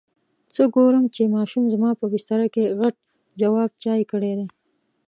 څه ګورم چې ماشوم زما په بستره کې غټ جواب چای کړی دی.